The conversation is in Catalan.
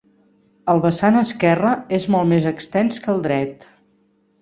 El vessant esquerre és molt més extens que el dret.